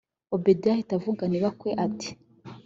obedia ahita avugana ibakwe ati